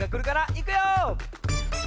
いくよ！